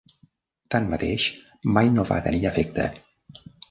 Tanmateix, mai no va tenir efecte.